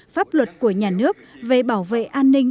pháp luật của nhà nước về bảo vệ an ninh